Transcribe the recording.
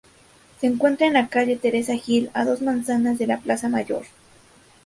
Se encuentra en la calle Teresa Gil, a dos manzanas de la Plaza Mayor.